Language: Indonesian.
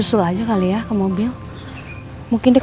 kurang ge triumphek tek